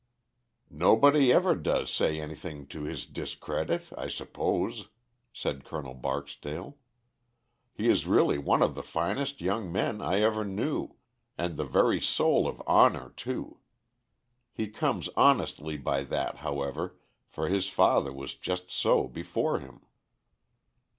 "Nobody ever does say anything to his discredit, I suppose," said Col. Barksdale. "He is really one of the finest young men I ever knew, and the very soul of honor, too. He comes honestly by that, however, for his father was just so before him."